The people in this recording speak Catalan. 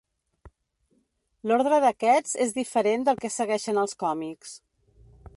L'ordre d'aquests és diferent del que segueixen els còmics.